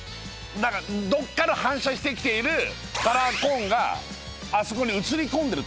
どっかの反射してきている三角コーンがあそこに映り込んでる。